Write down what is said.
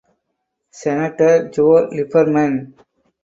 Senator Joe Lieberman.